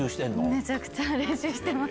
めちゃくちゃ練習してます。